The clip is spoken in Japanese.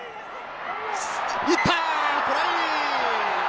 行った！トライ！